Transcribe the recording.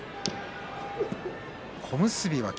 小結の霧